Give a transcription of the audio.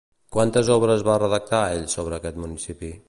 Quantes obres va redactar ell sobre aquest municipi?